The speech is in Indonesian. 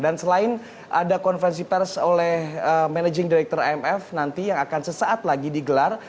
dan selain ada konferensi pers oleh managing director imf nanti yang akan sesaat lagi digelar